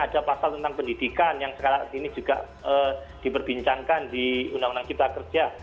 ada pasal tentang pendidikan yang sekarang ini juga diperbincangkan di undang undang cipta kerja